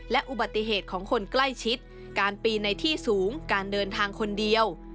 และอุบัติเหตุของคนใกล้ชิดการปีนในที่สูงการเดินทางคนเดียว